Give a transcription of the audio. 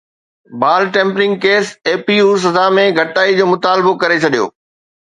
بال tampering case اي پي يو سزا ۾ گهٽتائي جو مطالبو ڪري ڇڏيو